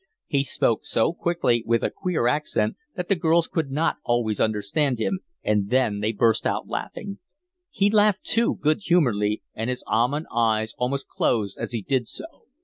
He spoke so quickly, with a queer accent, that the girls could not always understand him, and then they burst out laughing. He laughed too, good humouredly, and his almond eyes almost closed as he did so.